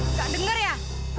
enggak denger ya